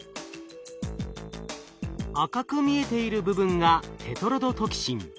赤く見えている部分がテトロドトキシン。